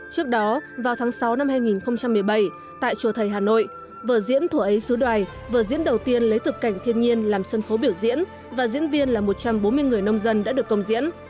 trước đó vào tháng sáu năm hai nghìn một mươi bảy tại chùa thầy hà nội vở diễn thùa ấy sứ đoài vợ diễn đầu tiên lấy thực cảnh thiên nhiên làm sân khấu biểu diễn và diễn viên là một trăm bốn mươi người nông dân đã được công diễn